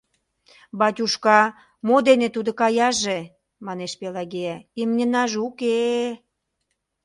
— Батюшка, мо дене тудо каяже? — манеш Пелагея, — имньынаже уке-е...